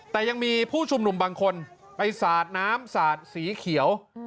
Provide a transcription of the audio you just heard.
แต่ยังมีผู้ชุมนุมบางคนไปสาดน้ำสาดสีเขียว